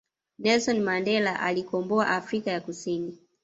Nelson Mandela aliikomboa afrika ya kusini